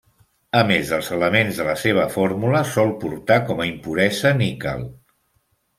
A més dels elements de la seva fórmula, sol portar com a impuresa níquel.